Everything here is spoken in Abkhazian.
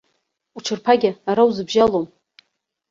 Уҽырԥагьа ара узыбжьалом.